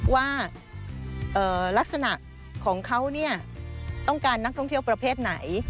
ว่าลักษณะของเขาต้องการนักท่องเที่ยวประเภทไหน